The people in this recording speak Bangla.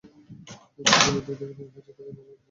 কিন্তু দিনে দুই থেকে তিন হাজার টাকার বেশি বিক্রিও হচ্ছে না।